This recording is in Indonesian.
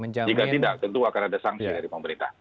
jika tidak tentu akan ada sanksi dari pemerintah